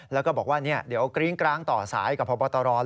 แล้วก็บอกว่าเดี๋ยวกริ้งกร้างต่อสายกับพบตร